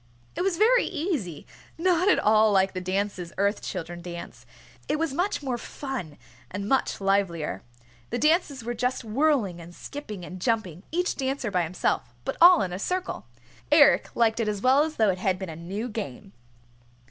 It was very easy, not at all like the dances Earth Children dance. It was much more fun, and much livelier. The dances were just whirling and skipping and jumping, each dancer by himself, but all in a circle. Eric liked it as well as though it had been a new game.